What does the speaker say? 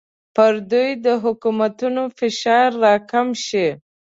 پر دوی د حکومتونو فشار راکم شي.